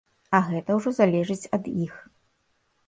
А гэта ўжо залежыць ад іх.